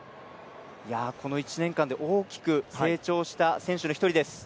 この１年間で大きく成長した選手の一人です。